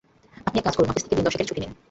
আপনি এক কাজ করুন-অফিস থেকে দিন দশেকের ছুটি নিন।